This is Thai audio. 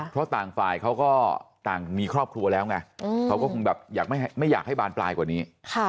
เพราะต่างฝ่ายเขาก็ต่างมีครอบครัวแล้วไงเขาก็คงแบบไม่อยากให้บานปลายกว่านี้